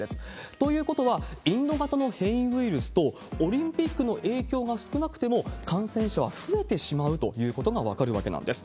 ということは、インド型の変異ウイルスと、オリンピックの影響が少なくても、感染者は増えてしまうということが分かるわけなんです。